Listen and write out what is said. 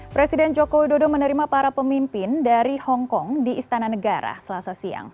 presiden joko widodo menerima para pemimpin dari hongkong di istana negara selasa siang